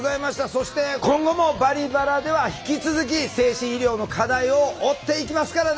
そして今後も「バリバラ」では引き続き精神医療の課題を追っていきますからね。